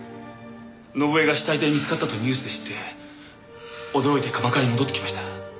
伸枝が死体で見つかったとニュースで知って驚いて鎌倉に戻ってきました。